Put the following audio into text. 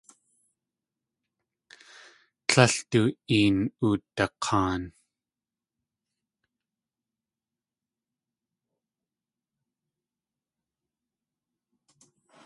Tlél du een udak̲aan.